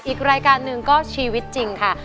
อีกรายการหนึ่งก็ชีวิตจริงค่ะ